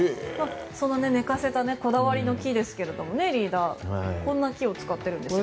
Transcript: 寝かせたこだわりの木ですがこんな気を使っているんですね。